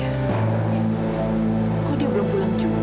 aku habis menenangkan diri oma